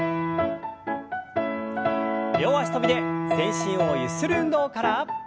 両脚跳びで全身をゆする運動から。